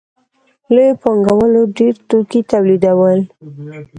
لویو پانګوالو ډېر توکي تولیدول